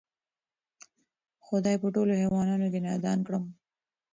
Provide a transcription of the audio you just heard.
خدای په ټولوحیوانانو کی نادان کړم